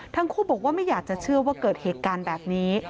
ทั้งคู่บอกว่าไม่อยากจะเชื่อว่าเกิดเหตุการณ์แบบนี้